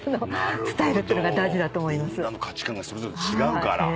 みんなの価値観がそれぞれ違うから。